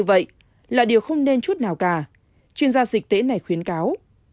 thế này là điều không nên chút nào cả chuyên gia dịch tễ này khuyến cáo